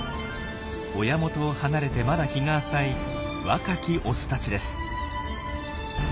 親元を離れてまだ日が浅い若きオスたちです。